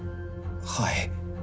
はい。